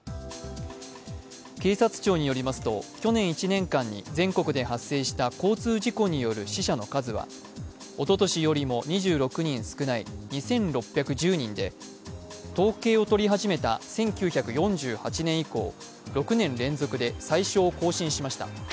警察庁によりますと去年１年間に全国で発生した交通事故による死者の数はおととしよりも２６人少ない２６１０人で統計を取り始めた１９４８年以降６年連続、最少を更新しました。